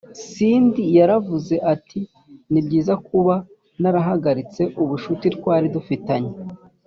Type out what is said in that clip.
cindy yaravuze ati ni byiza kuba narahagaritse ubucuti twari dufitanye